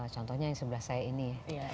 contohnya yang sebelah saya ini